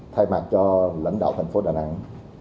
thay mặt cho lãnh đạo thành phố đà nẵng